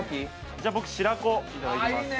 じゃあ僕白子いただきます。